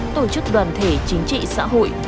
tổ chức đoàn thể chính trị xã hội